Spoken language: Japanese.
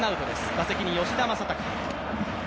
打席に吉田正尚。